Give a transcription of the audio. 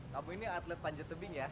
kamu ini atlet panjat tebing ya